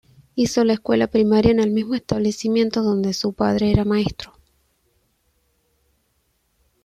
Hizo la escuela primaria en el mismo establecimiento donde su padre era maestro.